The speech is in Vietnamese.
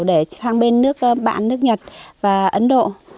để sang bên nước bạn nước nhật và ấn độ